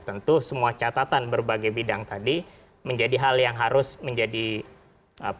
tentu semua catatan berbagai bidang tadi menjadi hal yang harus menjadi perhatian